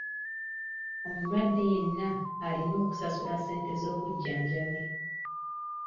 Omulwadde yenna alina okusasula ssente z'obujjanjabi.